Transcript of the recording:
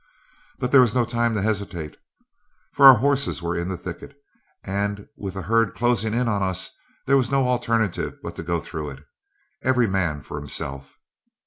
But there was no time to hesitate, for our horses were in the thicket, and with the herd closing in on us there was no alternative but to go through it, every man for himself.